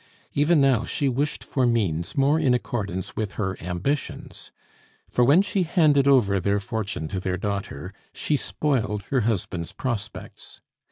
Even now she wished for means more in accordance with her ambitions; for when she handed over their fortune to their daughter, she spoiled her husband's prospects.